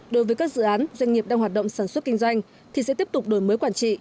đối với các dự án doanh nghiệp đang hoạt động sản xuất kinh doanh thì sẽ tiếp tục đổi mới quản trị